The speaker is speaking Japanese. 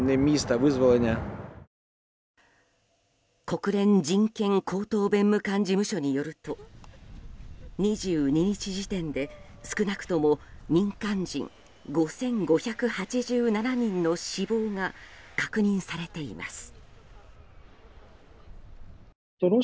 国連人権高等弁務官事務所によると、２２日時点で少なくとも、民間人５５８７人の死亡が確認されています。